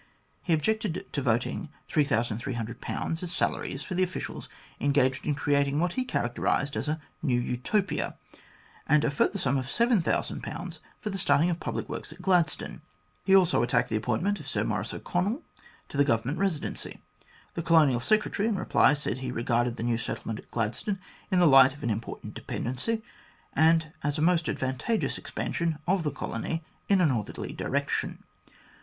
He objected to voting 3300 as salaries for the officials engaged in creating what he charac terised as a " New Utopia," and a further sum of 7000 for the starting of public works at Gladstone. He also attacked the appointment of Sir Maurice O'Connell to the Govern ment Residency. The Colonial Secretary, in reply, said lie regarded the new settlement at Gladstone in the light of an important dependency, and as a most advan tageous expansion of the colony in a northerly direction.